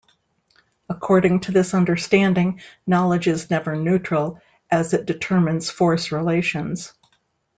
According to this understanding, knowledge is never neutral, as it determines force relations.